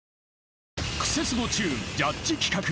［クセスゴチューンジャッジ企画。